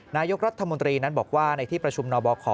นายกรัฐมนตรีนั้นบอกว่าในที่ประชุมนบค